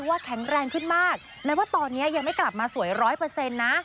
แข็งแรงขึ้นมากแม้ว่าตอนนี้ยังไม่กลับมาสวยร้อยเปอร์เซ็นต์นะ